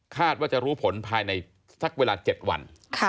ว่าจะรู้ผลภายในสักเวลา๗วัน